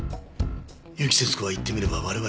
結城節子は言ってみれば我々の同志だ。